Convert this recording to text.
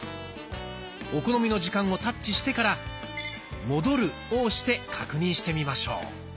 お好みの時間をタッチしてから「戻る」を押して確認してみましょう。